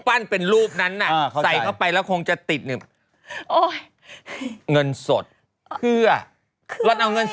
เทียนไข่อันนี้ฉันรับได้